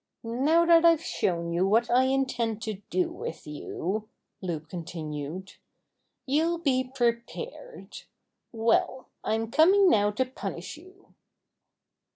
"Now that I've shown you what I intend to do with you," Loup continued, "you'll be pre pared. Well, I'm coming now to punish you."